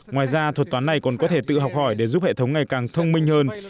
ngoài ra thuật toán này còn có thể tự học hỏi để giúp hệ thống ngày càng thông minh hơn